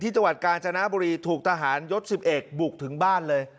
จังหวัดกาญจนบุรีถูกทหารยศ๑๑บุกถึงบ้านเลย